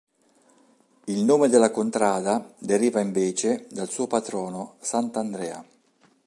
Il nome della Contrada deriva invece dal suo patrono, Sant'Andrea.